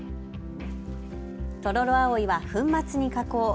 トロロアオイは粉末に加工。